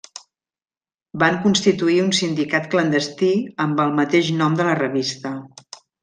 Van constituir un sindicat clandestí amb el mateix nom de la revista.